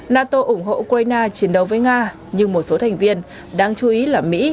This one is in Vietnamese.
nato ủng hộ ukraine chiến đấu với nga nhưng một số thành viên đáng chú ý là mỹ